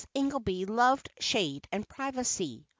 Ingelby loved shade and privacy.